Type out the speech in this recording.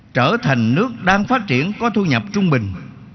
trở thành nước đang phát triển có thu nhập trung bình